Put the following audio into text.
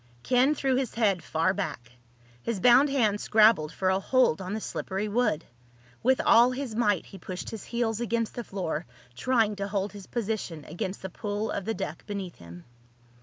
Ken threw his head far back. His bound hands scrabbled for a hold on the slippery wood. With all his might he pushed his heels against the floor, trying to hold his position against the pull of the deck beneath him.